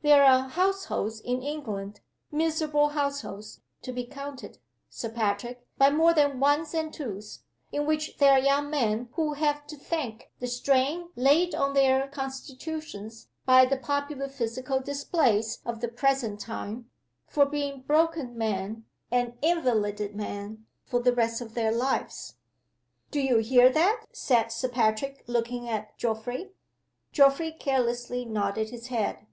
There are households in England miserable households, to be counted, Sir Patrick, by more than ones and twos in which there are young men who have to thank the strain laid on their constitutions by the popular physical displays of the present time, for being broken men, and invalided men, for the rest of their lives." "Do you hear that?" said Sir Patrick, looking at Geoffrey. Geoffrey carelessly nodded his head.